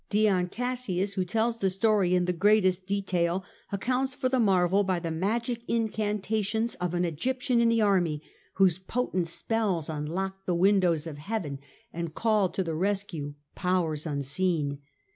Dion Cassius, who tells the story in greatest detail, accounts for the marvel by the magic incan tations of an Egyptian in the army, whose potent spells unlocked the windows of heaven, and called to the rescue powers unseen.